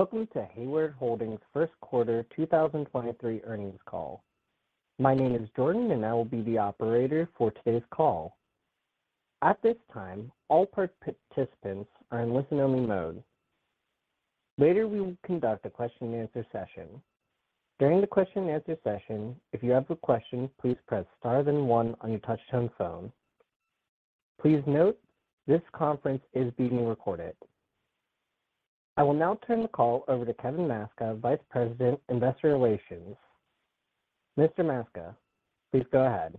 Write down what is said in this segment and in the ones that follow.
Welcome to Hayward Holdings First Quarter 2023 Earnings Call. My name is Jordan, and I will be the operator for today's call. At this time, all participants are in listen-only mode. Later, we will conduct a question and answer session. During the question and answer session, if you have a question, please press Star then one on your touchtone phone. Please note, this conference is being recorded. I will now turn the call over to Kevin Maczka, Vice President, Investor Relations. Mr. Maczka, please go ahead.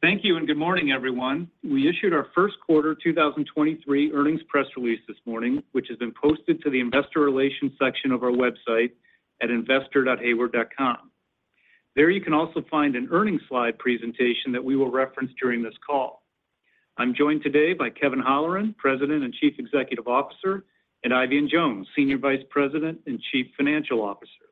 Thank you. Good morning, everyone. We issued our first quarter 2023 earnings press release this morning, which has been posted to the investor relations section of our website at investor.hayward.com. There you can also find an earnings slide presentation that we will reference during this call. I'm joined today by Kevin Holleran, President and Chief Executive Officer, and Eifion Jones, Senior Vice President and Chief Financial Officer.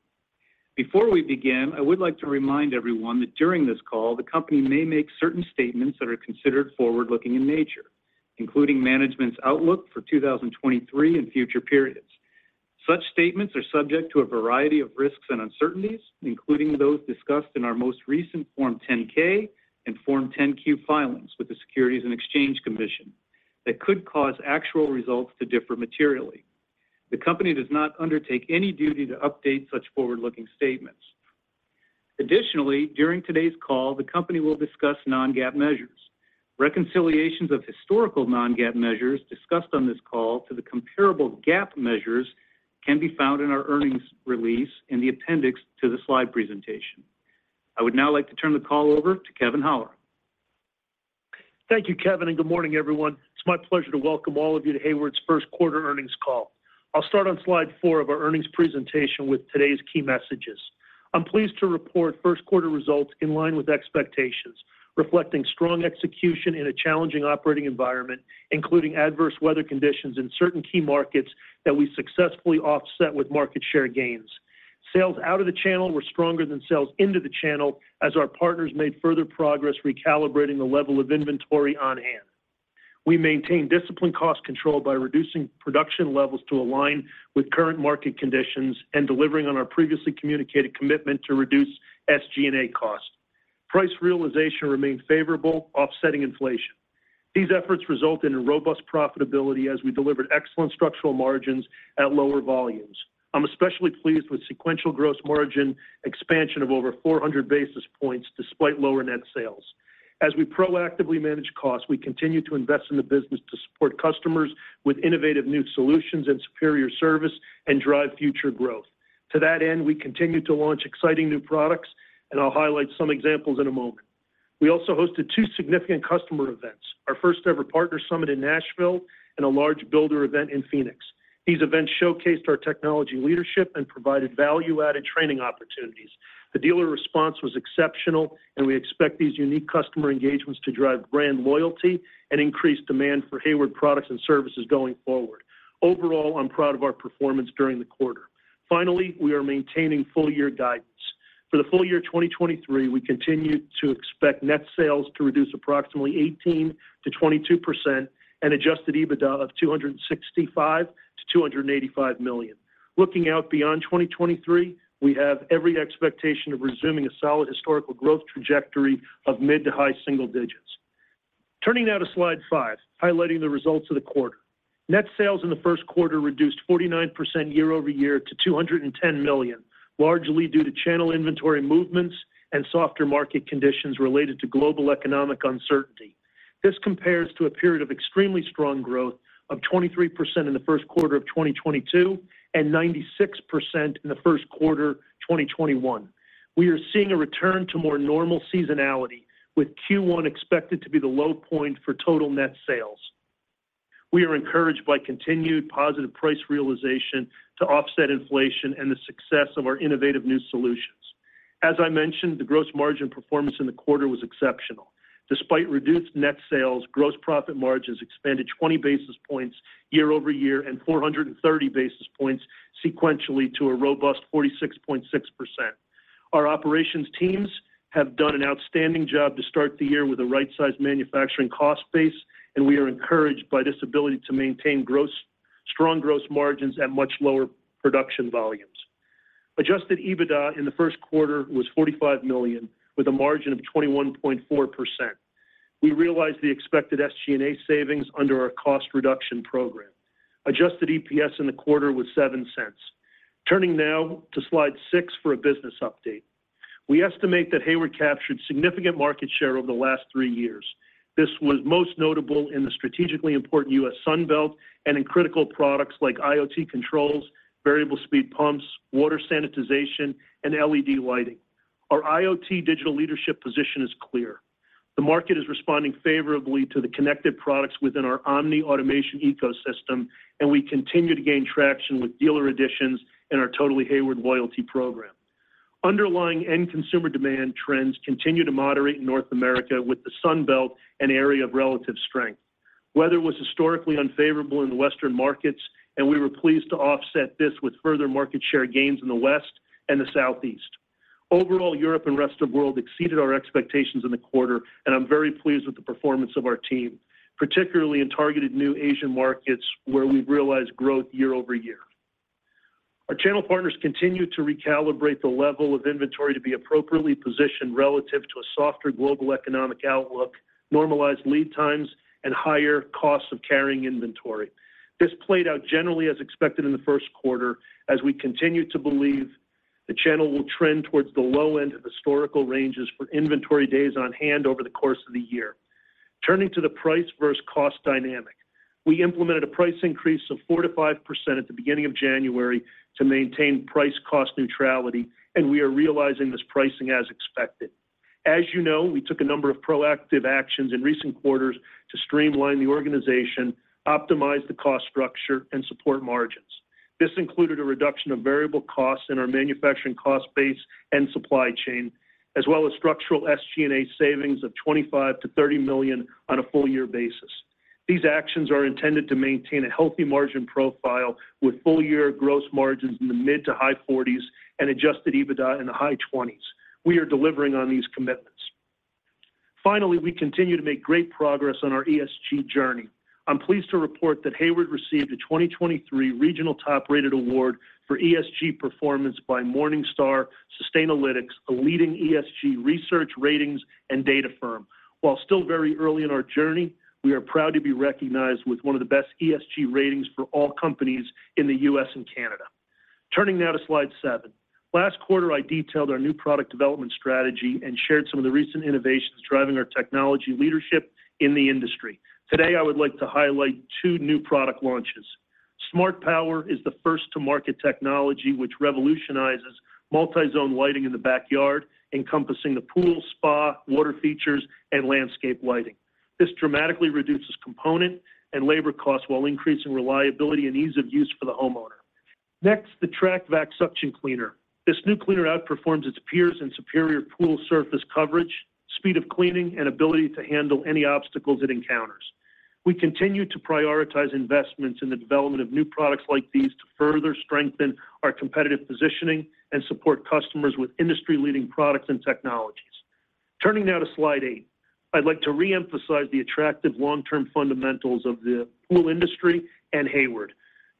Before we begin, I would like to remind everyone that during this call, the company may make certain statements that are considered forward-looking in nature, including management's outlook for 2023 and future periods. Such statements are subject to a variety of risks and uncertainties, including those discussed in our most recent Form 10-K and Form 10-Q filings with the Securities and Exchange Commission that could cause actual results to differ materially. The company does not undertake any duty to update such forward-looking statements. Additionally, during today's call, the company will discuss non-GAAP measures. Reconciliations of historical non-GAAP measures discussed on this call to the comparable GAAP measures can be found in our earnings release in the appendix to the slide presentation. I would now like to turn the call over to Kevin Holleran. Thank you, Kevin, and good morning, everyone. It's my pleasure to welcome all of you to Hayward's first quarter earnings call. I'll start on Slide four of our earnings presentation with today's key messages. I'm pleased to report first quarter results in line with expectations, reflecting strong execution in a challenging operating environment, including adverse weather conditions in certain key markets that we successfully offset with market share gains. Sales out of the channel were stronger than sales into the channel as our partners made further progress recalibrating the level of inventory on hand. We maintain disciplined cost control by reducing production levels to align with current market conditions and delivering on our previously communicated commitment to reduce SG&A costs. Price realization remained favorable, offsetting inflation. These efforts result in a robust profitability as we delivered excellent structural margins at lower volumes. I'm especially pleased with sequential gross margin expansion of over 400 basis points despite lower net sales. As we proactively manage costs, we continue to invest in the business to support customers with innovative new solutions and superior service and drive future growth. To that end, we continue to launch exciting new products, and I'll highlight some examples in a moment. We also hosted two significant customer events: our first ever partner summit in Nashville and a large builder event in Phoenix. These events showcased our technology leadership and provided value-added training opportunities. The dealer response was exceptional, and we expect these unique customer engagements to drive brand loyalty and increase demand for Hayward products and services going forward. Overall, I'm proud of our performance during the quarter. Finally, we are maintaining full-year guidance. For the full year 2023, we continue to expect net sales to reduce approximately 18%-22% and Adjusted EBITDA of $265 million-$285 million. Looking out beyond 2023, we have every expectation of resuming a solid historical growth trajectory of mid to high single digits. Turning now to Slide five, highlighting the results of the quarter. Net sales in the first quarter reduced 49% year-over-year to $210 million, largely due to channel inventory movements and softer market conditions related to global economic uncertainty. This compares to a period of extremely strong growth of 23% in the first quarter of 2022 and 96% in the first quarter 2021. We are seeing a return to more normal seasonality with Q1 expected to be the low point for total net sales. We are encouraged by continued positive price realization to offset inflation and the success of our innovative new solutions. As I mentioned, the gross margin performance in the quarter was exceptional. Despite reduced net sales, gross profit margins expanded 20 basis points year-over-year and 430 basis points sequentially to a robust 46.6%. Our operations teams have done an outstanding job to start the year with a right-sized manufacturing cost base, and we are encouraged by this ability to maintain strong gross margins at much lower production volumes. Adjusted EBITDA in the first quarter was $45 million, with a margin of 21.4%. We realized the expected SG&A savings under our cost reduction program. Adjusted EPS in the quarter was $0.07. Turning now to Slide six for a business update. We estimate that Hayward captured significant market share over the last three years. This was most notable in the strategically important U.S. Sun Belt and in critical products like IoT controls, variable speed pumps, water sanitization, and LED lighting. Our IoT digital leadership position is clear. The market is responding favorably to the connected products within our Omni automation ecosystem, and we continue to gain traction with dealer additions in our Totally Hayward loyalty program. Underlying end consumer demand trends continue to moderate in North America with the Sun Belt an area of relative strength. Weather was historically unfavorable in the Western markets, and we were pleased to offset this with further market share gains in the West and the Southeast. Overall, Europe and Rest of World exceeded our expectations in the quarter, and I'm very pleased with the performance of our team, particularly in targeted new Asian markets where we've realized growth year-over-year. Our channel partners continue to recalibrate the level of inventory to be appropriately positioned relative to a softer global economic outlook, normalized lead times, and higher costs of carrying inventory. This played out generally as expected in the first quarter as we continue to believe the channel will trend towards the low end of historical ranges for inventory days on hand over the course of the year. Turning to the price versus cost dynamic. We implemented a price increase of 4%-5% at the beginning of January to maintain price cost neutrality, and we are realizing this pricing as expected. As you know, we took a number of proactive actions in recent quarters to streamline the organization, optimize the cost structure and support margins. This included a reduction of variable costs in our manufacturing cost base and supply chain, as well as structural SG&A savings of $25 million-$30 million on a full year basis. These actions are intended to maintain a healthy margin profile with full year gross margins in the mid to high forties and Adjusted EBITDA in the high twenties. We are delivering on these commitments. Finally, we continue to make great progress on our ESG journey. I'm pleased to report that Hayward received a 2023 regional top-rated award for ESG performance by Morningstar Sustainalytics, a leading ESG research ratings and data firm. While still very early in our journey, we are proud to be recognized with one of the best ESG ratings for all companies in the U.S. and Canada. Turning now to Slide seven. Last quarter, I detailed our new product development strategy and shared some of the recent innovations driving our technology leadership in the industry. Today, I would like to highlight two new product launches. SmartPower is the first to market technology, which revolutionizes multi-zone lighting in the backyard, encompassing the pool, spa, water features and landscape lighting. This dramatically reduces component and labor costs while increasing reliability and ease of use for the homeowner. Next, the TracVac Suction Cleaner. This new cleaner outperforms its peers in superior pool surface coverage, speed of cleaning, and ability to handle any obstacles it encounters. We continue to prioritize investments in the development of new products like these to further strengthen our competitive positioning and support customers with industry-leading products and technologies. Turning now to Slide eight. I'd like to re-emphasize the attractive long-term fundamentals of the pool industry and Hayward.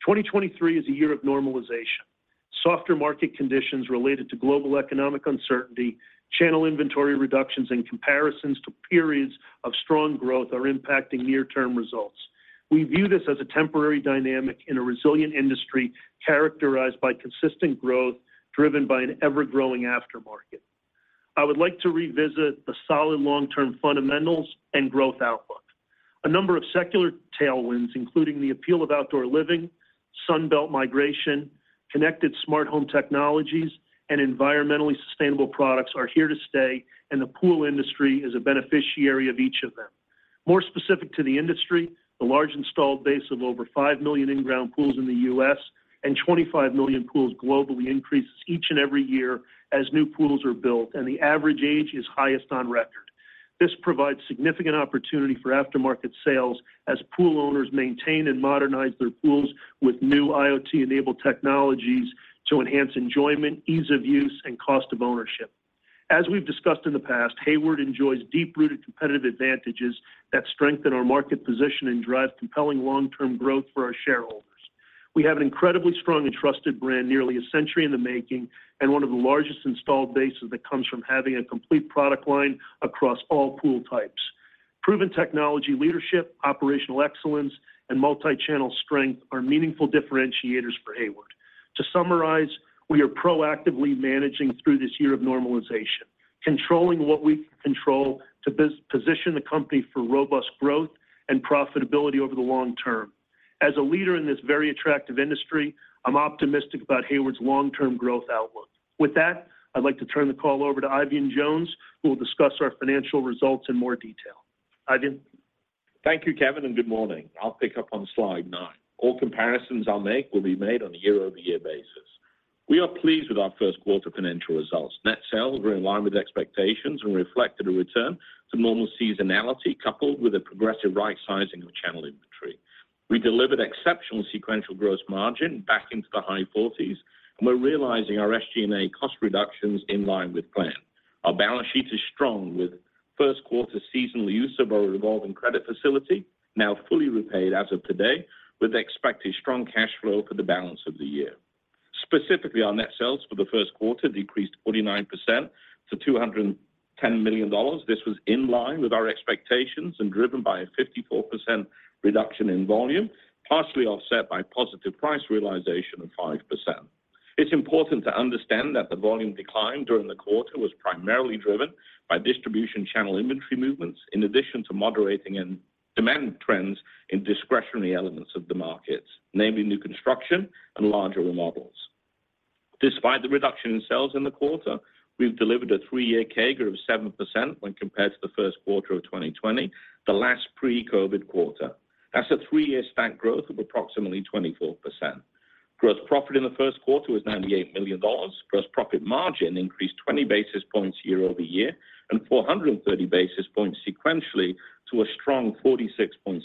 2023 is a year of normalization. Softer market conditions related to global economic uncertainty, channel inventory reductions and comparisons to periods of strong growth are impacting near-term results. We view this as a temporary dynamic in a resilient industry characterized by consistent growth driven by an ever-growing aftermarket. I would like to revisit the solid long-term fundamentals and growth outlook. A number of secular tailwinds, including the appeal of outdoor living, Sun Belt migration, connected smart home technologies, and environmentally sustainable products are here to stay, and the pool industry is a beneficiary of each of them. More specific to the industry, the large installed base of over five million in-ground pools in the U.S. and 25 million pools globally increases each and every year as new pools are built, and the average age is highest on record. This provides significant opportunity for aftermarket sales as pool owners maintain and modernize their pools with new IoT-enabled technologies to enhance enjoyment, ease of use, and cost of ownership. As we've discussed in the past, Hayward enjoys deep-rooted competitive advantages that strengthen our market position and drive compelling long-term growth for our shareholders. We have an incredibly strong and trusted brand, nearly a century in the making, and one of the largest installed bases that comes from having a complete product line across all pool types. Proven technology leadership, operational excellence, and multi-channel strength are meaningful differentiators for Hayward. To summarize, we are proactively managing through this year of normalization, controlling what we can control to position the company for robust growth and profitability over the long term. As a leader in this very attractive industry, I'm optimistic about Hayward's long-term growth outlook. With that, I'd like to turn the call over to Eifion Jones, who will discuss our financial results in more detail. Eifion? Thank you, Kevin. Good morning. I'll pick up on Slide nine. All comparisons I'll make will be made on a year-over-year basis. We are pleased with our first quarter financial results. Net sales were in line with expectations and reflected a return to normal seasonality, coupled with a progressive right sizing of channel inventory. We delivered exceptional sequential gross margin back into the high 40s, and we're realizing our SG&A cost reductions in line with plan. Our balance sheet is strong with first quarter seasonal use of our revolving credit facility now fully repaid as of today, with expected strong cash flow for the balance of the year. Specifically, our net sales for the first quarter decreased 49% to $210 million. This was in line with our expectations and driven by a 54% reduction in volume, partially offset by positive price realization of 5%. It's important to understand that the volume decline during the quarter was primarily driven by distribution channel inventory movements, in addition to moderating and demand trends in discretionary elements of the markets, namely new construction and larger remodels. Despite the reduction in sales in the quarter, we've delivered a three-year CAGR of 7% when compared to the first quarter of 2020, the last pre-COVID quarter. That's a three-year stack growth of approximately 24%. Gross profit in the first quarter was $98 million. Gross profit margin increased 20 basis points year-over-year and 430 basis points sequentially to a strong 46.6%.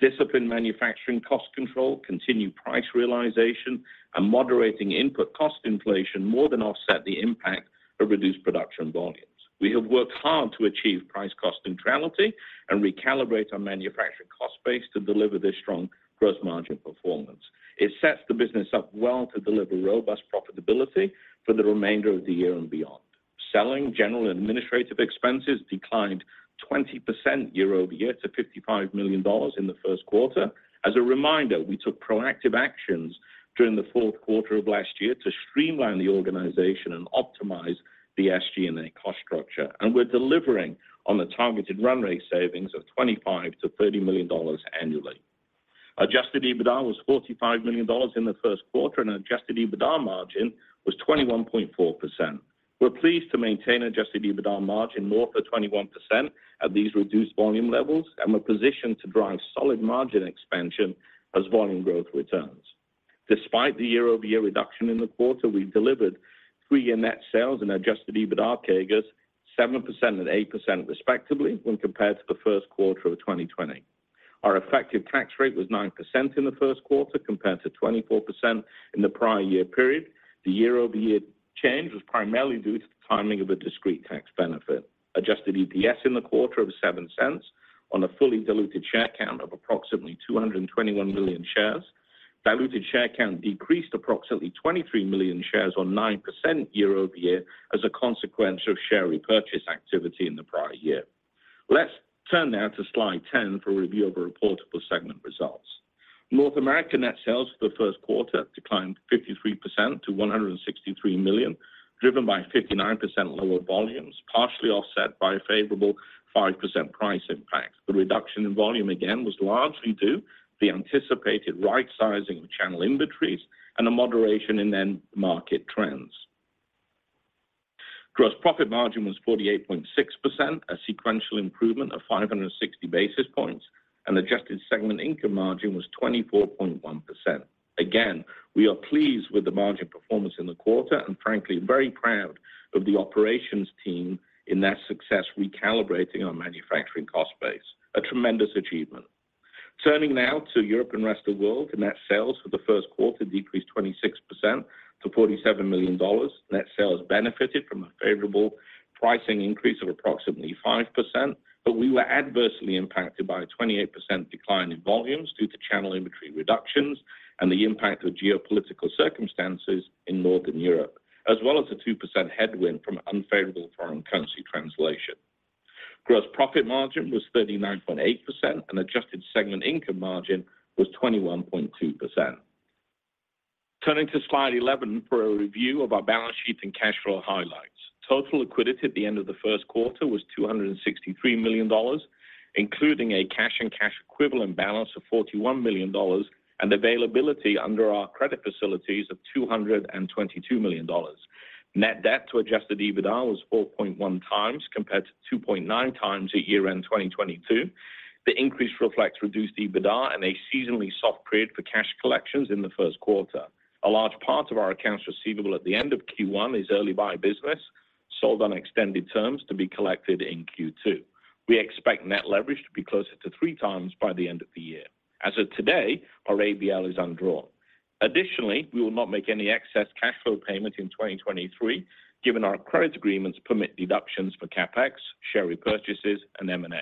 Disciplined manufacturing cost control, continued price realization, and moderating input cost inflation more than offset the impact of reduced production volumes. We have worked hard to achieve price cost neutrality and recalibrate our manufacturing cost base to deliver this strong gross margin performance. It sets the business up well to deliver robust profitability for the remainder of the year and beyond. Selling general and administrative expenses declined 20% year-over-year to $55 million in the first quarter. As a reminder, we took proactive actions during the fourth quarter of last year to streamline the organization and optimize the SG&A cost structure, and we're delivering on the targeted run rate savings of $25 million-$30 million annually. Adjusted EBITDA was $45 million in the first quarter. Adjusted EBITDA margin was 21.4%. We're pleased to maintain Adjusted EBITDA margin north of 21% at these reduced volume levels. We're positioned to drive solid margin expansion as volume growth returns. Despite the year-over-year reduction in the quarter, we've delivered three-year net sales and Adjusted EBITDA CAGRs 7% and 8% respectively when compared to the first quarter of 2020. Our effective tax rate was 9% in the first quarter compared to 24% in the prior year period. The year-over-year change was primarily due to the timing of a discrete tax benefit. Adjusted EPS in the quarter of $0.07 on a fully diluted share count of approximately 221 million shares. Diluted share count decreased approximately 23 million shares or 9% year-over-year as a consequence of share repurchase activity in the prior year. Let's turn now to Slide 10 for a review of our reportable segment results. North America net sales for the first quarter declined 53% to $163 million, driven by 59% lower volumes, partially offset by a favorable 5% price impact. The reduction in volume again was largely due to the anticipated right sizing of channel inventories and a moderation in end market trends. Gross profit margin was 48.6%, a sequential improvement of 560 basis points, and Adjusted segment income margin was 24.1%. Again, we are pleased with the margin performance in the quarter, and frankly, very proud of the operations team in their success recalibrating our manufacturing cost base. A tremendous achievement. Turning now to Europe and Rest of World. Net sales for the first quarter decreased 26% to $47 million. Net sales benefited from a favorable pricing increase of approximately 5%, we were adversely impacted by a 28% decline in volumes due to channel inventory reductions and the impact of geopolitical circumstances in Northern Europe, as well as a 2% headwind from unfavorable foreign currency translation. Gross profit margin was 39.8% and adjusted segment income margin was 21.2%. Turning to Slide 11 for a review of our balance sheet and cash flow highlights. Total liquidity at the end of the first quarter was $263 million, including a cash and cash equivalent balance of $41 million and availability under our credit facilities of $222 million. Net debt to Adjusted EBITDA was 4.1x compared to 2.9x at year-end 2022. The increase reflects reduced EBITDA and a seasonally soft period for cash collections in the first quarter. A large part of our accounts receivable at the end of Q1 is early buy business sold on extended terms to be collected in Q2. We expect net leverage to be closer to 3x by the end of the year. As of today, our ABL is undrawn. Additionally, we will not make any excess cash flow payment in 2023, given our credit agreements permit deductions for CapEx, share repurchases, and M&A.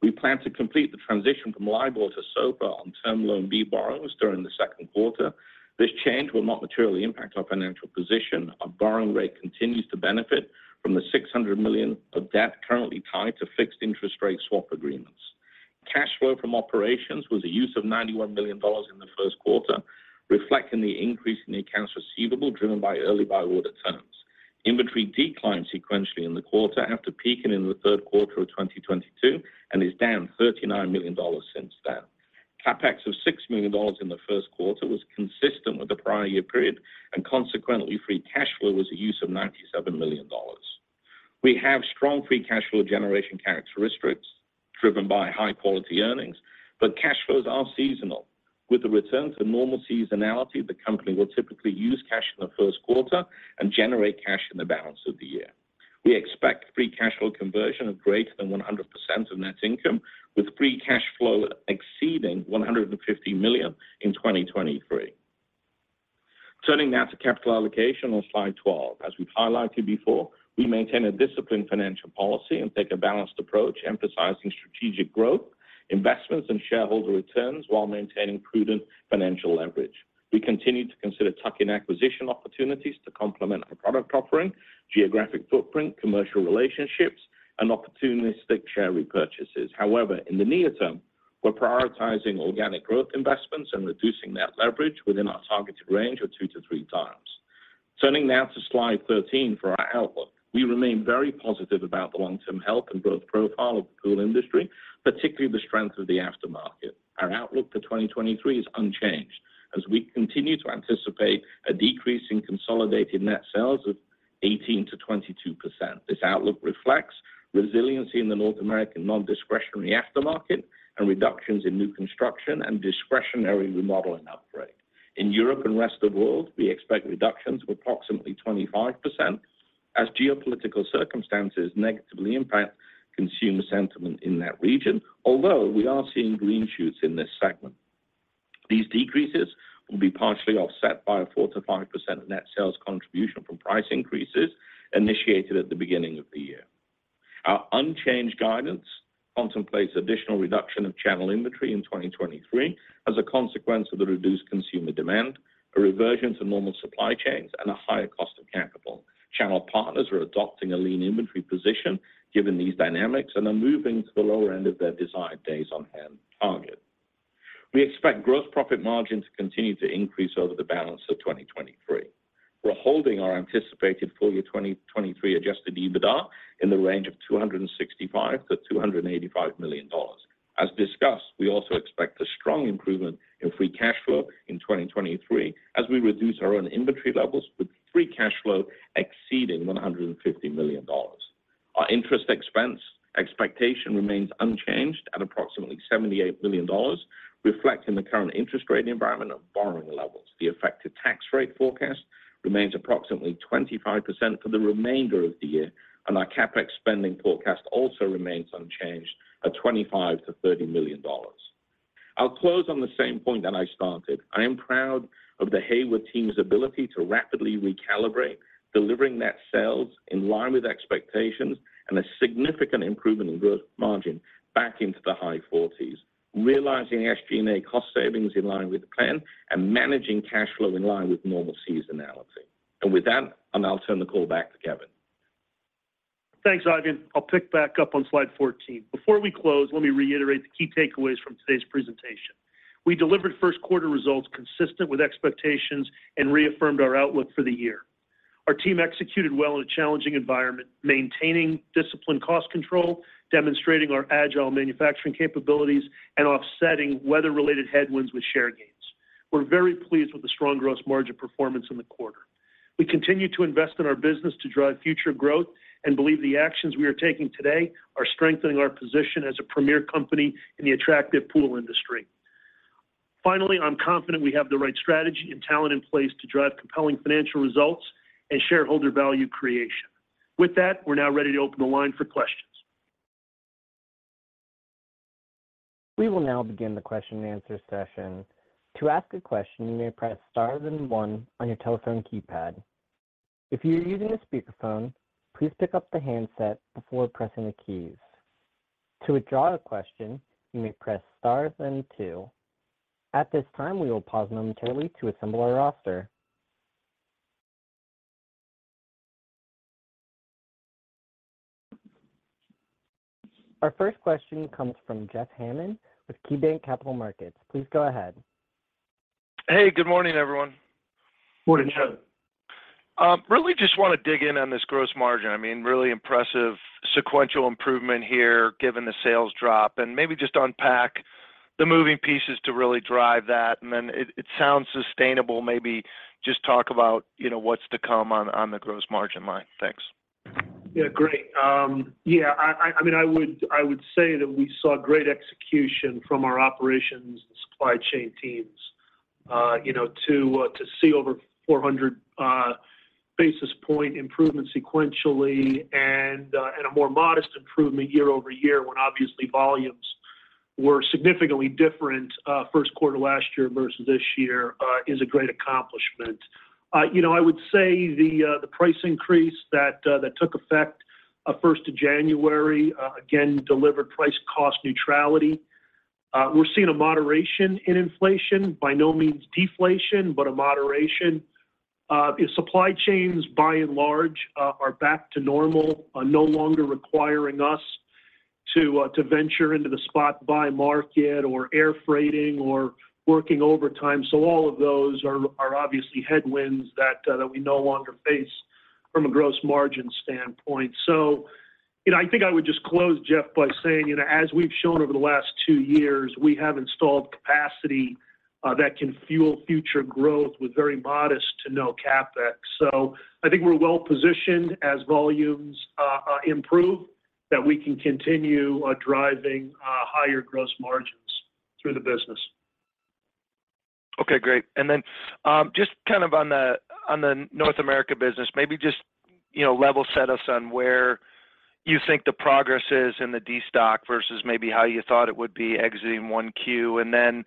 We plan to complete the transition from LIBOR to SOFR on Term Loan B borrowings during the second quarter. This change will not materially impact our financial position. Our borrowing rate continues to benefit from the $600 million of debt currently tied to fixed interest rate swap agreements. Cash flow from operations was a use of $91 million in the first quarter, reflecting the increase in accounts receivable driven by early buy order terms. Inventory declined sequentially in the quarter after peaking in the third quarter of 2022 and is down $39 million since then. CapEx of $6 million in the first quarter was consistent with the prior year period. Consequently, free cash flow was a use of $97 million. We have strong free cash flow generation characteristics driven by high-quality earnings. Cash flows are seasonal. With the return to normal seasonality, the company will typically use cash in the first quarter and generate cash in the balance of the year. We expect free cash flow conversion of greater than 100% of net income, with free cash flow exceeding $150 million in 2023. Turning now to capital allocation on Slide 12. As we've highlighted before, we maintain a disciplined financial policy and take a balanced approach emphasizing strategic growth, investments, and shareholder returns while maintaining prudent financial leverage. We continue to consider tuck-in acquisition opportunities to complement our product offering, geographic footprint, commercial relationships, and opportunistic share repurchases. In the near term, we're prioritizing organic growth investments and reducing net leverage within our targeted range of 2x-3x. Turning now to Slide 13 for our outlook. We remain very positive about the long-term health and growth profile of the pool industry, particularly the strength of the aftermarket. Our outlook for 2023 is unchanged as we continue to anticipate a decrease in consolidated net sales of 18%-22%. This outlook reflects resiliency in the North American non-discretionary aftermarket and reductions in new construction and discretionary remodeling upgrade. In Europe and Rest of World, we expect reductions of approximately 25%. As geopolitical circumstances negatively impact consumer sentiment in that region, although we are seeing green shoots in this segment. These decreases will be partially offset by a 4%-5% net sales contribution from price increases initiated at the beginning of the year. Our unchanged guidance contemplates additional reduction of channel inventory in 2023 as a consequence of the reduced consumer demand, a reversion to normal supply chains, and a higher cost of capital. Channel partners are adopting a lean inventory position given these dynamics and are moving to the lower end of their desired days on hand target. We expect gross profit margin to continue to increase over the balance of 2023. We're holding our anticipated full year 2023 Adjusted EBITDA in the range of $265 million-$285 million. As discussed, we also expect a strong improvement in free cash flow in 2023 as we reduce our own inventory levels with free cash flow exceeding $150 million. Our interest expense expectation remains unchanged at approximately $78 million, reflecting the current interest rate environment of borrowing levels. The effective tax rate forecast remains approximately 25% for the remainder of the year, and our CapEx spending forecast also remains unchanged at $25 million-$30 million. I'll close on the same point that I started. I am proud of the Hayward team's ability to rapidly recalibrate, delivering net sales in line with expectations and a significant improvement in gross margin back into the high forties, realizing SG&A cost savings in line with the plan and managing cash flow in line with normal seasonality. With that, I'll now turn the call back to Kevin. Thanks, Eifion. I'll pick back up on Slide 14. Before we close, let me reiterate the key takeaways from today's presentation. We delivered first quarter results consistent with expectations and reaffirmed our outlook for the year. Our team executed well in a challenging environment, maintaining disciplined cost control, demonstrating our agile manufacturing capabilities, and offsetting weather-related headwinds with share gains. We're very pleased with the strong gross margin performance in the quarter. We continue to invest in our business to drive future growth and believe the actions we are taking today are strengthening our position as a premier company in the attractive pool industry. Finally, I'm confident we have the right strategy and talent in place to drive compelling financial results and shareholder value creation. We're now ready to open the line for questions. We will now begin the question and answer session. To ask a question, you may press star then one on your telephone keypad. If you are using a speakerphone, please pick up the handset before pressing the keys. To withdraw a question, you may press star then two. At this time, we will pause momentarily to assemble our roster. Our first question comes from Jeff Hammond with KeyBanc Capital Markets. Please go ahead. Hey, good morning, everyone. Morning, Jeff. Really just want to dig in on this gross margin. I mean, really impressive sequential improvement here given the sales drop, and maybe just unpack the moving pieces to really drive that. Then it sounds sustainable, maybe just talk about, you know, what's to come on the gross margin line. Thanks. Great. I mean, I would say that we saw great execution from our operations and supply chain teams. You know, to see over 400 basis point improvement sequentially and a more modest improvement year-over-year when obviously volumes were significantly different, first quarter last year versus this year, is a great accomplishment. You know, I would say the price increase that took effect January 1, again, delivered price cost neutrality. We're seeing a moderation in inflation. By no means deflation, but a moderation. Supply chains by and large are back to normal. No longer requiring us to venture into the spot buy market or air freighting or working overtime. All of those are obviously headwinds that we no longer face from a gross margin standpoint. You know, I think I would just close, Jeff, by saying, you know, as we've shown over the last two years, we have installed capacity that can fuel future growth with very modest to no CapEx. I think we're well-positioned as volumes improve, that we can continue driving higher gross margins through the business. Okay, great. Then, just kind of on the, on the North America business, maybe just, you know, level set us on where you think the progress is in the destock versus maybe how you thought it would be exiting 1Q. Then,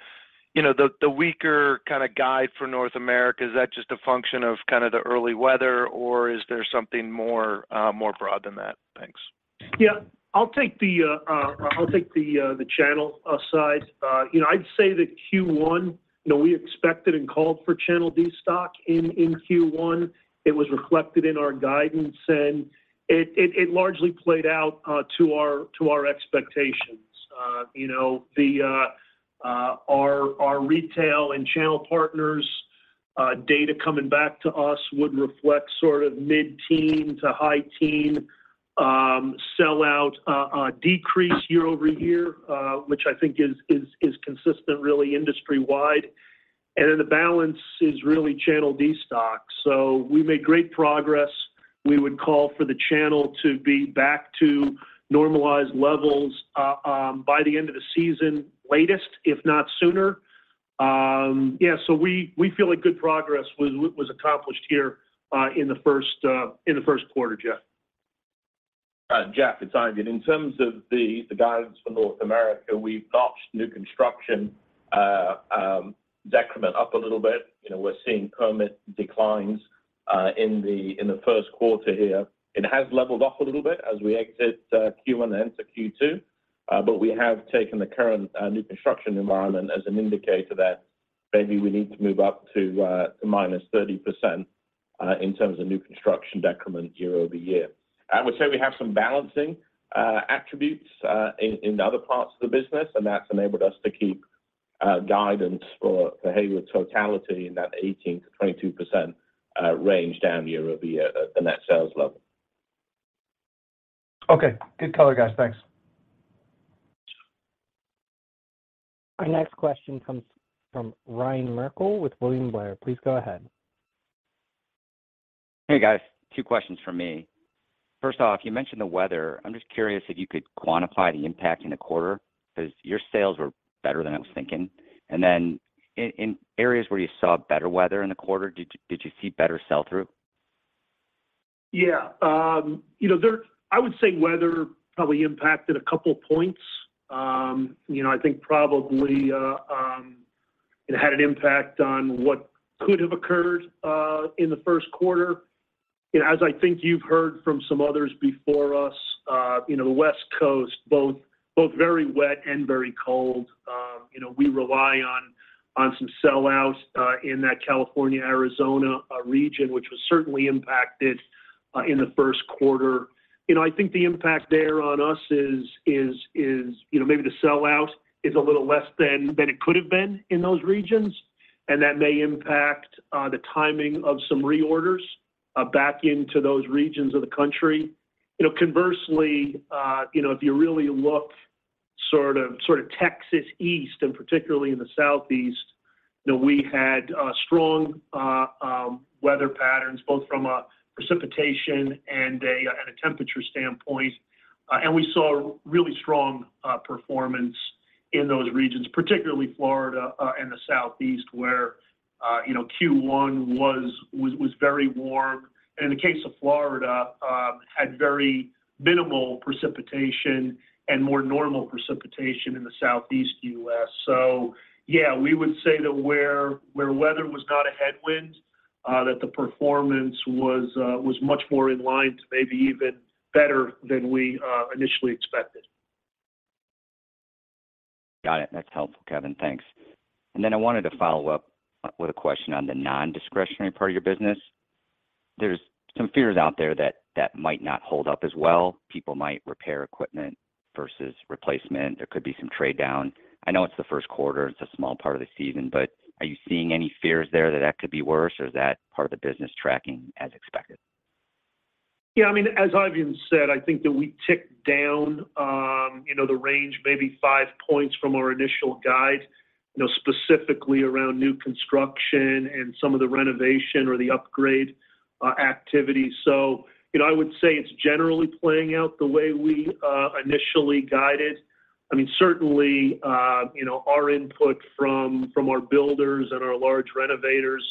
you know, the weaker kind of guide for North America, is that just a function of kind of the early weather or is there something more, more broad than that? Thanks. Yeah. I'll take the channel side. You know, I'd say that Q1, you know, we expected and called for channel destock in Q1. It was reflected in our guidance, it largely played out to our expectations. You know, our retail and channel partners' data coming back to us would reflect sort of mid-teen to high-teen sellout decrease year-over-year, which I think is consistent really industry-wide. The balance is really channel destock. We made great progress. We would call for the channel to be back to normalized levels, by the end of the season, latest, if not sooner. Yeah, we feel like good progress was accomplished here in the first quarter, Jeff. Jeff, it's Eifion. In terms of the guidance for North America, we've notched new construction decrement up a little bit. You know, we're seeing permit declines in the first quarter here. It has leveled off a little bit as we exit Q1 into Q2. We have taken the current new construction environment as an indicator that maybe we need to move up to -30% in terms of new construction decrement year-over-year. I would say we have some balancing attributes in other parts of the business, and that's enabled us to keep guidance for Hayward's totality in that 18%-22% range down year-over-year at the net sales level. Okay. Good color, guys. Thanks. Our next question comes from Ryan Merkel with William Blair. Please go ahead. Hey, guys. Two questions from me. First off, you mentioned the weather. I'm just curious if you could quantify the impact in the quarter 'cause your sales were better than I was thinking. Then in areas where you saw better weather in the quarter, did you see better sell-through? Yeah. You know, there I would say weather probably impacted a couple points. You know, I think probably it had an impact on what could have occurred in the first quarter. You know, as I think you've heard from some others before us, you know, the West Coast, both very wet and very cold. You know, we rely on some sellouts in that California-Arizona region, which was certainly impacted in the first quarter. You know, I think the impact there on us is, is, you know, maybe the sellout is a little less than it could have been in those regions, and that may impact the timing of some reorders back into those regions of the country. You know, conversely, you know, if you really look sort of Texas East, and particularly in the Southeast, you know, we had strong weather patterns, both from a precipitation and a temperature standpoint, and we saw really strong performance in those regions, particularly Florida, and the Southeast where, you know, Q1 was very warm. In the case of Florida, had very minimal precipitation and more normal precipitation in the Southeast U.S. Yeah, we would say that where weather was not a headwind, that the performance was much more in line to maybe even better than we initially expected. Got it. That's helpful, Kevin. Thanks. Then I wanted to follow up with a question on the non-discretionary part of your business. There's some fears out there that that might not hold up as well. People might repair equipment versus replacement. There could be some trade down. I know it's the first quarter, it's a small part of the season, but are you seeing any fears there that that could be worse, or is that part of the business tracking as expected? Yeah, I mean, as Eifion said, I think that we ticked down, you know, the range maybe five points from our initial guide, you know, specifically around new construction and some of the renovation or the upgrade activities. You know, I would say it's generally playing out the way we initially guided. I mean, certainly, you know, our input from our builders and our large renovators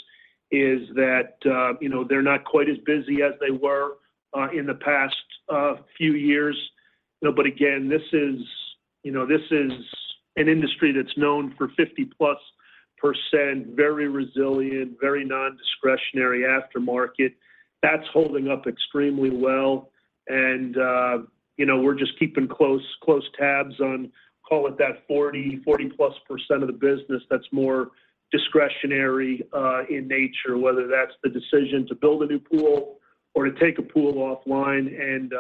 is that, you know, they're not quite as busy as they were in the past few years. You know, again, this is, you know, this is an industry that's known for 50%+, very resilient, very non-discretionary aftermarket. That's holding up extremely well. You know, we're just keeping close tabs on, call it that 40%+ of the business that's more discretionary in nature, whether that's the decision to build a new pool or to take a pool offline and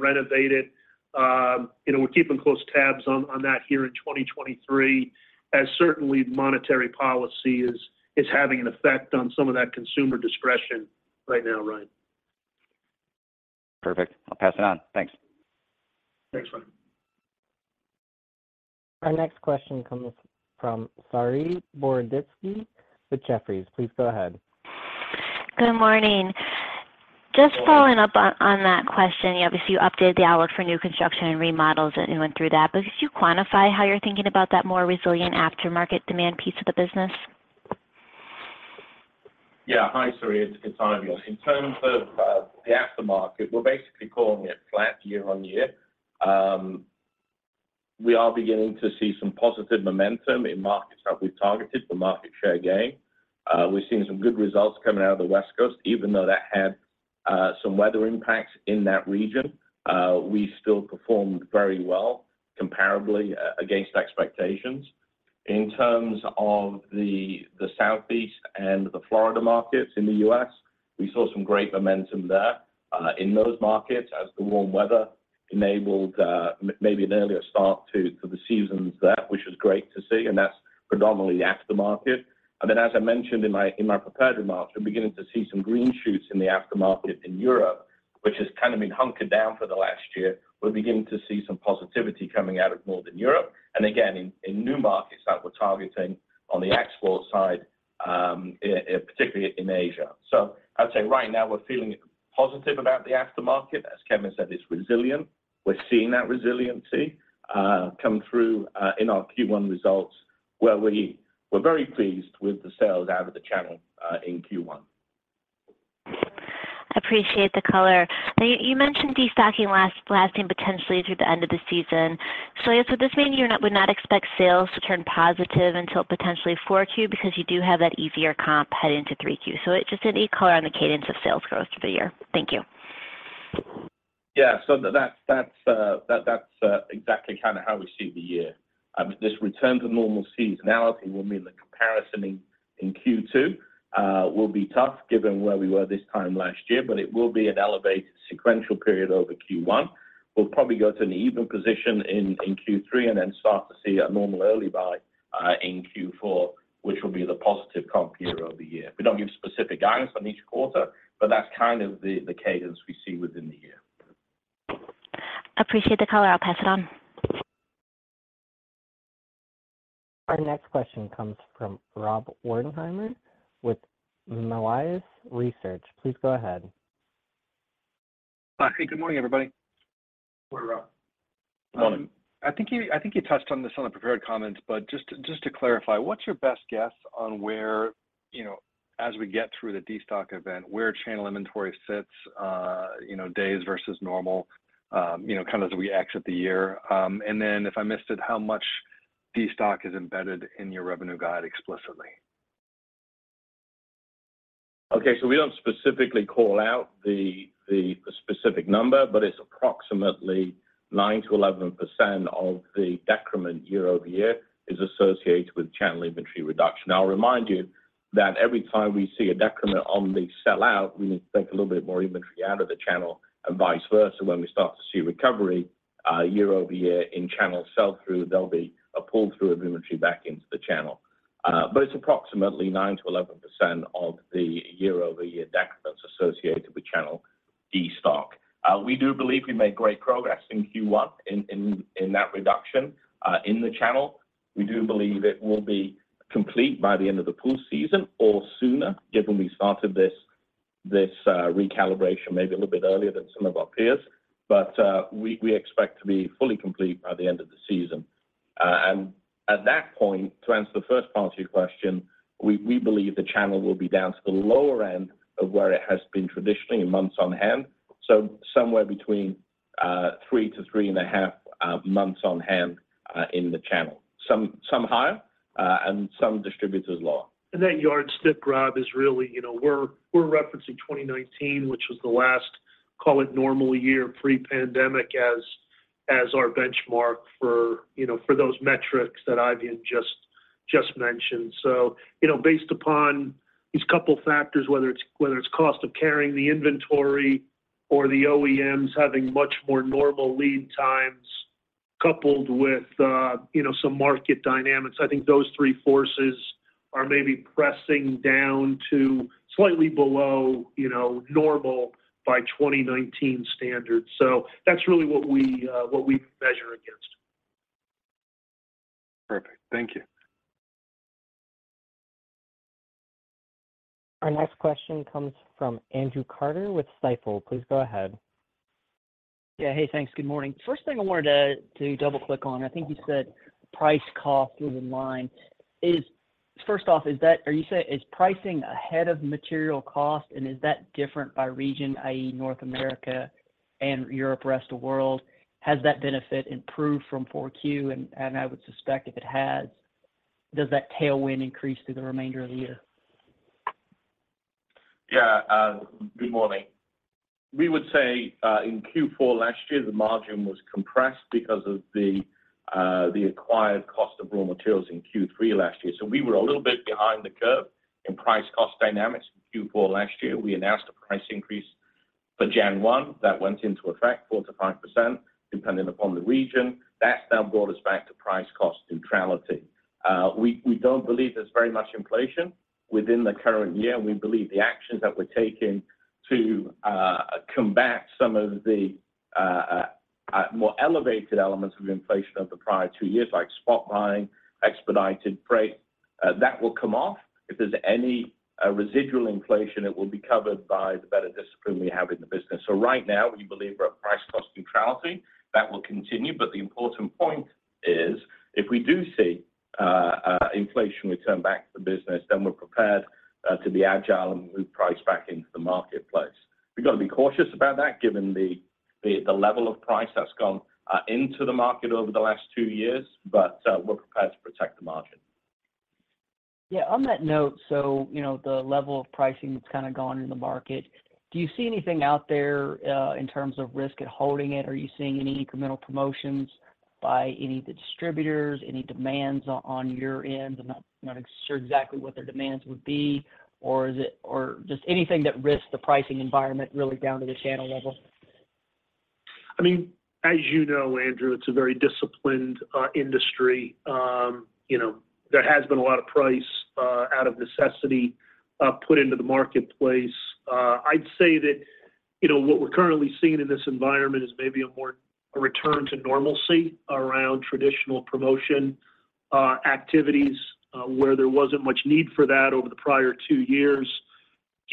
renovate it. You know, we're keeping close tabs on that here in 2023 as certainly monetary policy is having an effect on some of that consumer discretion right now, Ryan. Perfect. I'll pass it on. Thanks. Thanks, Ryan. Our next question comes from Saree Boroditsky with Jefferies. Please go ahead. Good morning. Just following up on that question, you obviously updated the outlook for new construction and remodels, and you went through that, but could you quantify how you're thinking about that more resilient aftermarket demand piece of the business? Yeah. Hi, Saree. It's Eifion here. In terms of the aftermarket, we're basically calling it flat year-over-year. We are beginning to see some positive momentum in markets that we've targeted for market share gain. We've seen some good results coming out of the West Coast. Even though that had some weather impacts in that region, we still performed very well comparably against expectations. In terms of the Southeast and the Florida markets in the U.S., we saw some great momentum there in those markets as the warm weather enabled maybe an earlier start to the seasons there, which was great to see, and that's predominantly the aftermarket. As I mentioned in my prepared remarks, we're beginning to see some green shoots in the aftermarket in Europe, which has kind of been hunkered down for the last year. We're beginning to see some positivity coming out of Northern Europe. In new markets that we're targeting on the export side, particularly in Asia. I'd say right now we're feeling positive about the aftermarket. As Kevin said, it's resilient. We're seeing that resiliency come through in our Q1 results where we're very pleased with the sales out of the channel in Q1. Appreciate the color. Now you mentioned destocking lasting potentially through the end of the season. Would this mean you would not expect sales to turn positive until potentially 4Q because you do have that easier comp head into 3Q? Just any color on the cadence of sales growth through the year. Thank you. Yeah. That, that's exactly kind of how we see the year. This return to normal seasonality will mean the comparison in Q2 will be tough given where we were this time last year, but it will be an elevated sequential period over Q1. We'll probably go to an even position in Q3 and then start to see a normal early buy in Q4, which will be the positive comp year-over-year. We don't give specific guidance on each quarter, but that's kind of the cadence we see within the year. Appreciate the color. I'll pass it on. Our next question comes from Rob Wertheimer with Melius Research. Please go ahead. Hi, good morning, everybody. Good morning. I think you touched on this on the prepared comments, but just to clarify, what's your best guess on where, you know, as we get through the destock event, where channel inventory sits, you know, days versus normal, you know, kind of as we exit the year? If I missed it, how much destock is embedded in your revenue guide explicitly? We don't specifically call out the specific number, but it's approximately 9%-11% of the decrement year-over-year is associated with channel inventory reduction. I'll remind you that every time we see a decrement on the sell out, we need to take a little bit more inventory out of the channel and vice versa. When we start to see recovery, year-over-year in channel sell through, there'll be a pull through of inventory back into the channel. But it's approximately 9%-11% of the year-over-year decrements associated with channel destock. We do believe we made great progress in Q1 in that reduction in the channel. We do believe it will be complete by the end of the pool season or sooner, given we started this recalibration maybe a little bit earlier than some of our peers. We, we expect to be fully complete by the end of the season. And at that point, to answer the first part of your question, we believe the channel will be down to the lower end of where it has been traditionally in months on hand. Somewhere between three to 3.5 months on hand in the channel. Some, some higher and some distributors lower. And that yardstick, Rob, is really, you know, we're referencing 2019, which was the last, call it normal year pre-pandemic as our benchmark for, you know, for those metrics that Eifion just mentioned. You know, based upon these couple factors, whether it's cost of carrying the inventory or the OEMs having much more normal lead times coupled with, you know, some market dynamics, I think those three forces are maybe pressing down to slightly below, you know, normal by 2019 standards. That's really what we, what we measure against. Perfect. Thank you. Our next question comes from Andrew Carter with Stifel. Please go ahead. Yeah. Hey, thanks. Good morning. First thing I wanted to double click on, I think you said price cost was in line. First off, is pricing ahead of material cost and is that different by region, i.e. North America and Europe, Rest of World? Has that benefit improved from 4Q? I would suspect if it has, does that tailwind increase through the remainder of the year? Yeah. Good morning. We would say, in Q4 last year, the margin was compressed because of the acquired cost of raw materials in Q3 last year. We were a little bit behind the curve in price cost dynamics in Q4 last year. We announced a price increase for January 1 that went into effect 4%-5%, depending upon the region. That's now brought us back to price cost neutrality. We don't believe there's very much inflation within the current year. We believe the actions that we're taking to combat some of the more elevated elements of inflation over the prior two years, like spot buying, expedited freight, that will come off. If there's any residual inflation, it will be covered by the better discipline we have in the business. Right now we believe we're at price cost neutrality. That will continue. The important point is, if we do see inflation return back to the business, then we're prepared to be agile and move price back into the marketplace. We've got to be cautious about that given the level of price that's gone into the market over the last two years, but we're prepared to protect the margin. Yeah. On that note, you know, the level of pricing that's kind of gone in the market, do you see anything out there, in terms of risk at holding it? Are you seeing any incremental promotions by any of the distributors? Any demands on your end? I'm not sure exactly what their demands would be. Or just anything that risks the pricing environment really down to the channel level? I mean, as you know, Andrew, it's a very disciplined, industry. You know, there has been a lot of price, out of necessity, put into the marketplace. I'd say that You know, what we're currently seeing in this environment is maybe a return to normalcy around traditional promotion activities where there wasn't much need for that over the prior two years.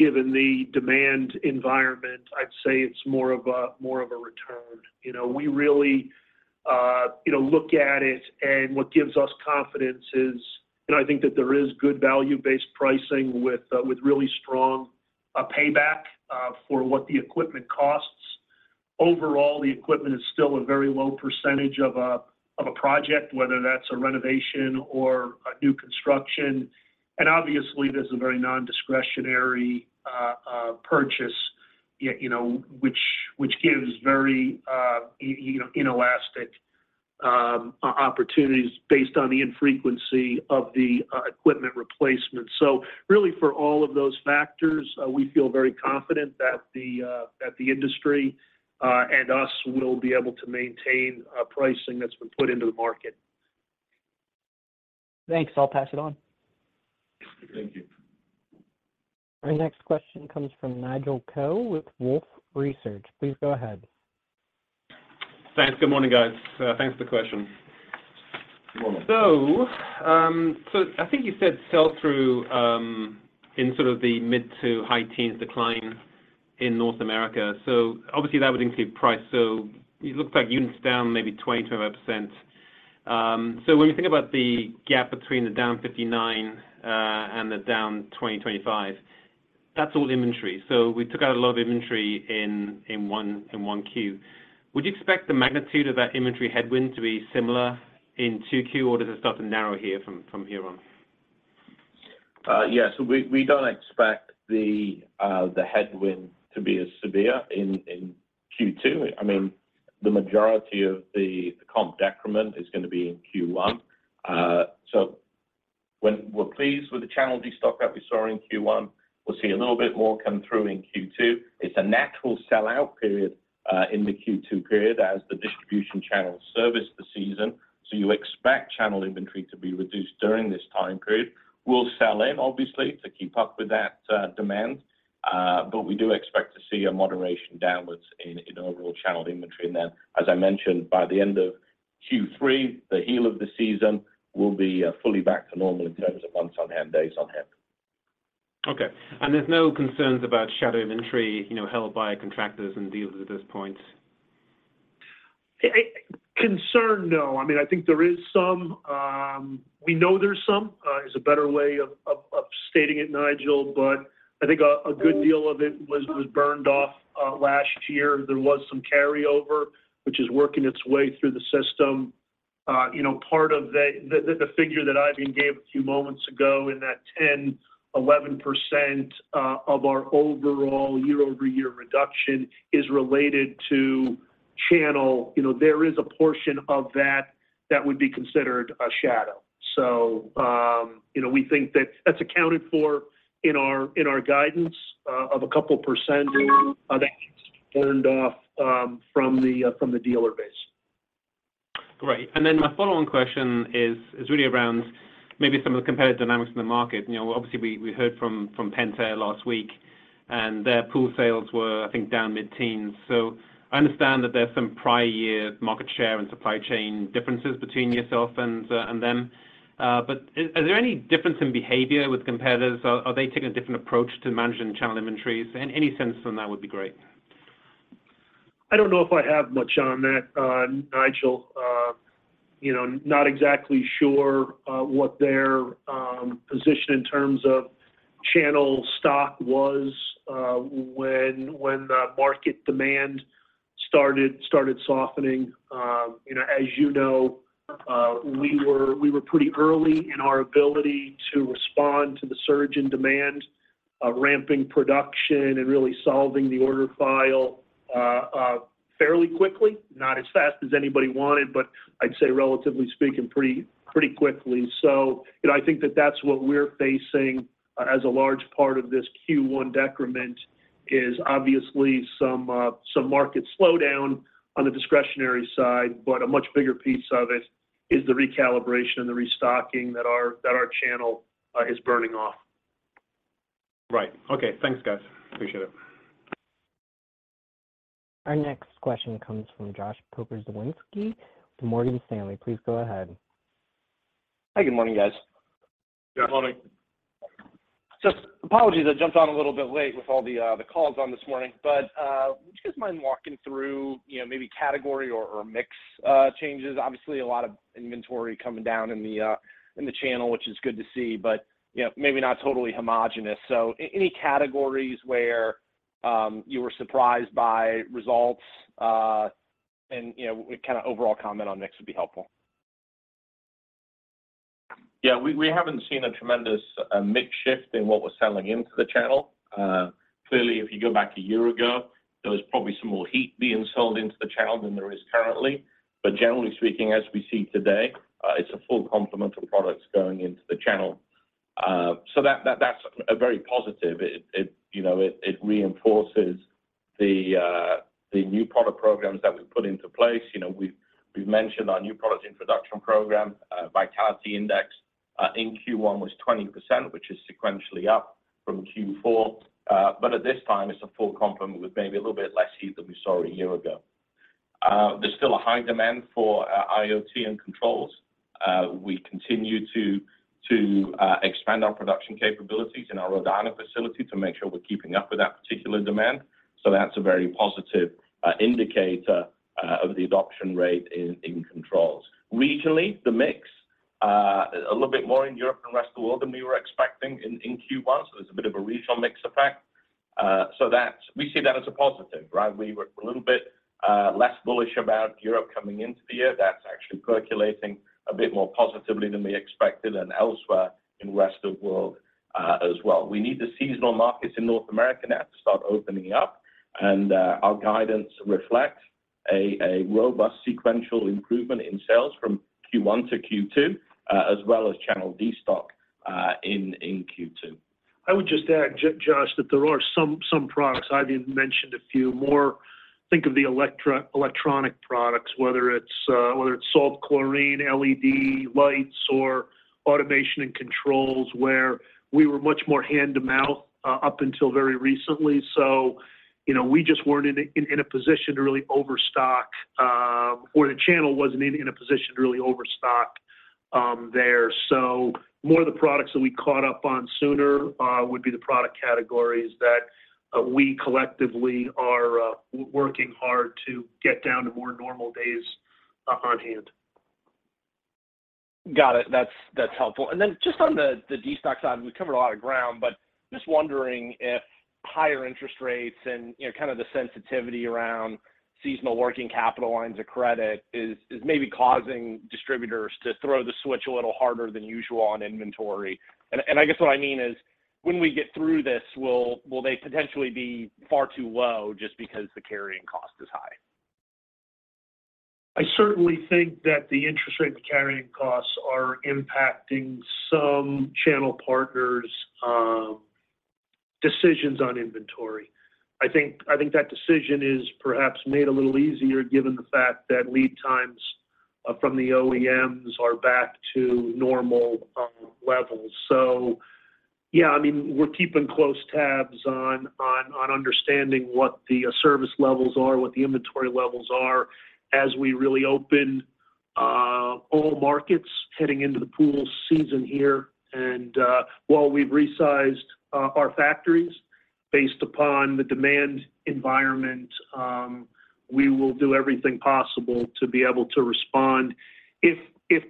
Given the demand environment, I'd say it's more of a return. You know, we really, you know, look at it, and what gives us confidence is... You know, I think that there is good value-based pricing with really strong payback for what the equipment costs. Overall, the equipment is still a very low percentage of a project, whether that's a renovation or a new construction. Obviously, there's a very non-discretionary purchase you know, which gives very, you know, inelastic opportunities based on the infrequency of the equipment replacement. really, for all of those factors, we feel very confident that the industry, and us will be able to maintain a pricing that's been put into the market. Thanks. I'll pass it on. Thank you. Our next question comes from Nigel Coe with Wolfe Research. Please go ahead. Thanks. Good morning, guys. Thanks for the question. Good morning. I think you said sell-through in sort of the mid to high teens decline in North America, obviously that would include price. It looks like units down maybe 20%-21%. When you think about the gap between the down 59% and the down 20%-25%, that's all inventory. We took out a lot of inventory in 1Q. Would you expect the magnitude of that inventory headwind to be similar in 2Q, or does it start to narrow here from here on? Yeah. We don't expect the headwind to be as severe in Q2. I mean, the majority of the comp decrement is gonna be in Q1. We're pleased with the channel destock that we saw in Q1. We'll see a little bit more come through in Q2. It's a natural sellout period in the Q2 period as the distribution channel service the season. You expect channel inventory to be reduced during this time period. We'll sell in obviously to keep up with that demand. We do expect to see a moderation downwards in overall channel inventory. As I mentioned, by the end of Q3, the heel of the season will be fully back to normal in terms of months on hand, days on hand. Okay. There's no concerns about shadow inventory, you know, held by contractors and dealers at this point? Concern, no. I mean, I think there is some. We know there's some, is a better way of stating it, Nigel Coe. I think a good deal of it was burned off last year. There was some carryover, which is working its way through the system. You know, part of the figure that Eifion Jones gave a few moments ago in that 10-11% of our overall year-over-year reduction is related to channel. You know, there is a portion of that that would be considered a shadow. You know, we think that that's accounted for in our guidance, of a 2% that gets burned off from the dealer base. Great. Then my follow-on question is really around maybe some of the competitive dynamics in the market. You know, obviously we heard from Pentair last week, and their pool sales were, I think, down mid-teens. I understand that there's some prior year market share and supply chain differences between yourself and them. But is there any difference in behavior with competitors? Any sense from that would be great. I don't know if I have much on that, Nigel. You know, not exactly sure what their position in terms of channel stock was when the market demand started softening. You know, as you know, we were pretty early in our ability to respond to the surge in demand, ramping production and really solving the order file fairly quickly. Not as fast as anybody wanted, but I'd say relatively speaking, pretty quickly. You know, I think that that's what we're facing as a large part of this Q1 decrement is obviously some market slowdown on the discretionary side, but a much bigger piece of it is the recalibration and the restocking that our channel is burning off. Right. Okay. Thanks, guys. Appreciate it. Our next question comes from Joshua Pokrzywinski from Morgan Stanley. Please go ahead. Hi, good morning, guys. Good morning. Just apologies, I jumped on a little bit late with all the calls on this morning. Would you guys mind walking through, you know, maybe category or mix changes? Obviously, a lot of inventory coming down in the channel, which is good to see, but, you know, maybe not totally homogenous. Any categories where you were surprised by results, and, you know, kind of overall comment on mix would be helpful. Yeah. We haven't seen a tremendous mix shift in what we're selling into the channel. Clearly, if you go back a year ago, there was probably some more heat being sold into the channel than there is currently. Generally speaking, as we see today, it's a full complement of products going into the channel. That's a very positive. It, you know, it reinforces the. The new product programs that we've put into place, you know, we've mentioned our new product introduction program, Vitality Index in Q1 was 20%, which is sequentially up from Q4. At this time, it's a full complement with maybe a little bit less heat than we saw a year ago. There's still a high demand for IoT and controls. We continue to expand our production capabilities in our Rodano facility to make sure we're keeping up with that particular demand. That's a very positive indicator of the adoption rate in controls. Regionally, the mix, a little bit more in Europe and the rest of the world than we were expecting in Q1, so there's a bit of a regional mix effect. That's we see that as a positive, right? We were a little bit less bullish about Europe coming into the year. That's actually percolating a bit more positively than we expected and elsewhere in Rest of World as well. We need the seasonal markets in North America now to start opening up, and our guidance reflects a robust sequential improvement in sales from Q1 to Q2, as well as channel destock in Q2. I would just add Josh, that there are some products, I even mentioned a few more. Think of the electronic products, whether it's whether it's salt chlorine, LED lights, or automation and controls, where we were much more hand-to-mouth up until very recently. You know, we just weren't in a position to really overstock, or the channel wasn't in a position to really overstock there. More of the products that we caught up on sooner would be the product categories that we collectively are working hard to get down to more normal days on hand. Got it. That's helpful. Just on the destock side, we've covered a lot of ground, but just wondering if higher interest rates and, you know, kind of the sensitivity around seasonal working capital lines of credit is maybe causing distributors to throw the switch a little harder than usual on inventory. I guess what I mean is when we get through this, will they potentially be far too low just because the carrying cost is high? I certainly think that the interest rate and the carrying costs are impacting some channel partners' decisions on inventory. I think that decision is perhaps made a little easier given the fact that lead times from the OEMs are back to normal levels. Yeah, I mean, we're keeping close tabs on understanding what the service levels are, what the inventory levels are as we really open all markets heading into the pool season here. While we've resized our factories based upon the demand environment, we will do everything possible to be able to respond if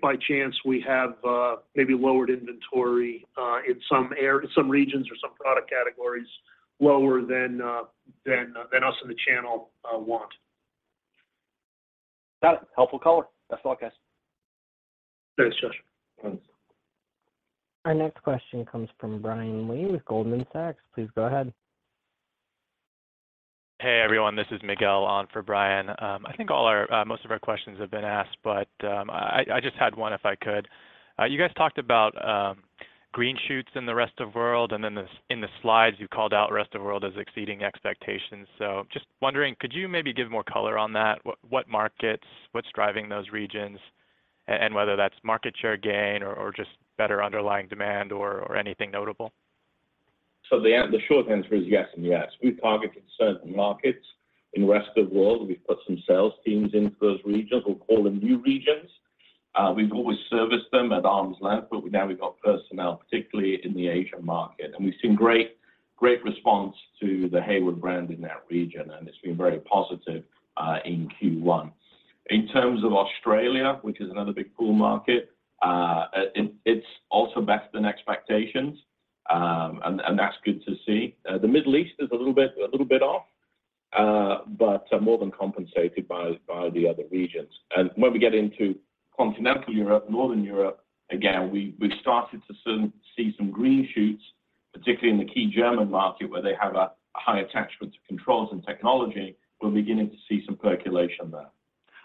by chance we have maybe lowered inventory in some regions or some product categories lower than us and the channel want. Got it. Helpful color. That's all, guys. Thanks, Josh. Thanks. Our next question comes from Brian Lee with Goldman Sachs. Please go ahead. Hey, everyone. This is Miguel on for Brian. I think all our most of our questions have been asked, but I just had one, if I could. You guys talked about green shoots in the Rest of World, and then in the slides, you called out Rest of World as exceeding expectations. Just wondering, could you maybe give more color on that? What markets, what's driving those regions, and whether that's market share gain or just better underlying demand or anything notable? The short answer is yes and yes. We've targeted certain markets in Rest of World. We've put some sales teams into those regions. We'll call them new regions. We've always serviced them at arm's length, but now we've got personnel, particularly in the Asian market. We've seen great response to the Hayward brand in that region, and it's been very positive in Q1. In terms of Australia, which is another big pool market, it's also better than expectations, and that's good to see. The Middle East is a little bit off, but more than compensated by the other regions. When we get into Continental Europe, Northern Europe, again, we've started to see some green shoots, particularly in the key German market, where they have a high attachment to controls and technology. We're beginning to see some percolation there.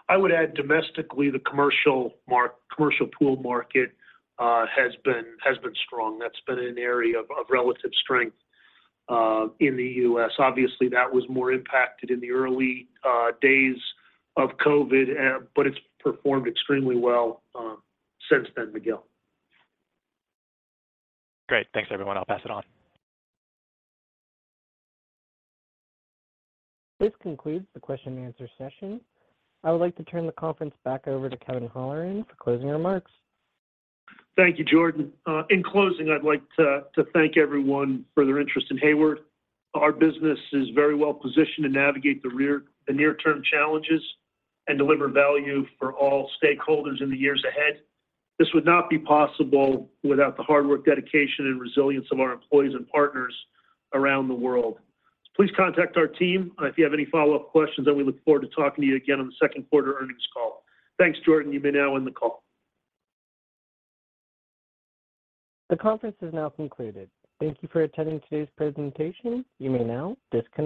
I would add domestically, the commercial pool market has been strong. That's been an area of relative strength in the U.S. Obviously, that was more impacted in the early days of COVID, but it's performed extremely well since then, Miguel. Great. Thanks, everyone. I'll pass it on. This concludes the question and answer session. I would like to turn the conference back over to Kevin Holleran for closing remarks. Thank you, Jordan. In closing, I'd like to thank everyone for their interest in Hayward. Our business is very well positioned to navigate the near-term challenges and deliver value for all stakeholders in the years ahead. This would not be possible without the hard work, dedication, and resilience of our employees and partners around the world. Please contact our team if you have any follow-up questions, and we look forward to talking to you again on the second quarter earnings call. Thanks, Jordan. You may now end the call. The conference is now concluded. Thank You for attending today's presentation. You may now disconnect.